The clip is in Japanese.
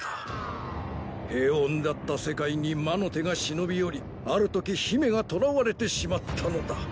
平穏だった世界に魔の手が忍び寄りあるとき姫が捕らわれてしまったのだ。